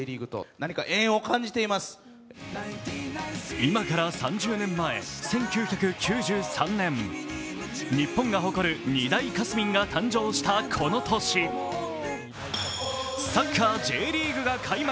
今から３０年前、１９９３年、日本が誇る２大カスミんが誕生したこの年、サッカーＪリーグが開幕。